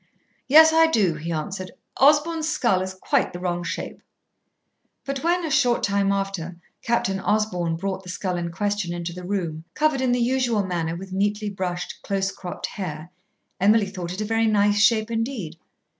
"Yes, I do," he answered. "Osborn's skull is quite the wrong shape." But when, a short time after, Captain Osborn brought the skull in question into the room, covered in the usual manner with neatly brushed, close cropped hair, Emily thought it a very nice shape indeed.